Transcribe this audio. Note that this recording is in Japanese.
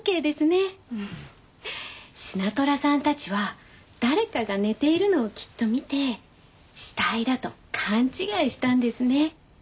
シナトラさんたちは誰かが寝ているのをきっと見て死体だと勘違いしたんですね。